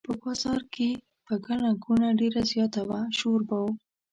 په بازار کې به ګڼه ګوڼه ډېره زیاته وه شور به و.